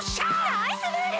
ナイスムール！